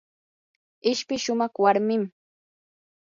ishpi shumaq warmim.